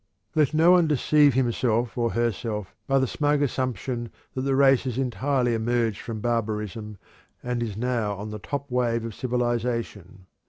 Let no one deceive himself or herself by the smug assumption that the race has entirely emerged from barbarism and is now on the top wave of civilization.